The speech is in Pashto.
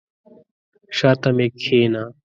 شاته مي کښېنه !